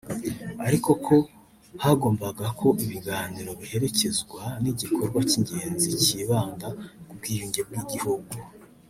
ariko ko hagombaga ko ibiganiro biherekezwa n’igikorwa cy’ingenzi kibanda ku bwiyunge bw’igihugu